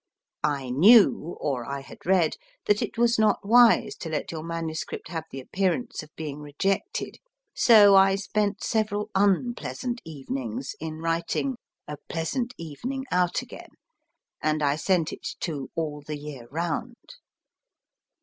I knew, or I had read, that it was not wise to let your manuscript have the appearance of being rejected, so I spent several unpleasant evenings in writing A Pleasant Evening outagain, and I sent it to All the Year Round.